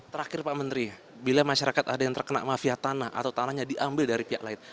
terakhir pak menteri bila masyarakat ada yang terkena mafia tanah atau tanahnya diambil dari pihak lain